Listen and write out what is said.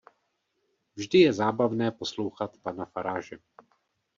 Vždy je zábavné poslouchat pana Farage.